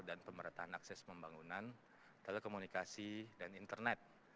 dan pemerintahan akses pembangunan telekomunikasi dan internet